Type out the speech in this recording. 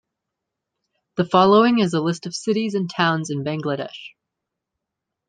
The following is a list of cities and towns in Bangladesh.